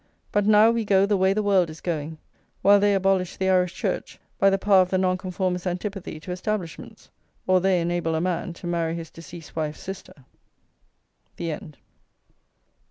But now we go the way the world is going, while they abolish the Irish Church by the power of the Nonconformists' antipathy to establishments, or they enable a man to marry his deceased wife's sister. THE END.